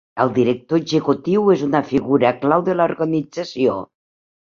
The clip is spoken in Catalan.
El director executiu és una figura clau de l'organització.